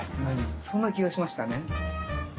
そんな気がしましたね。